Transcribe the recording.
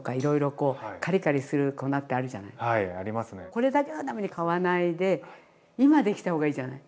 これだけのために買わないで今できた方がいいじゃない？